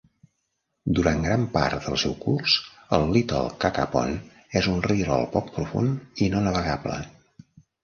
Durant gran part del seu curs, el Little Cacapon és un rierol poc profund i no navegable.